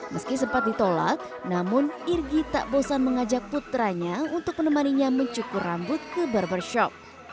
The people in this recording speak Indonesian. meski sempat ditolak namun irgi tak bosan mengajak putranya untuk menemaninya mencukur rambut ke barbershop